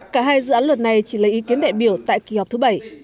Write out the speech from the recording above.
cả hai dự án luật này chỉ lấy ý kiến đại biểu tại kỳ họp thứ bảy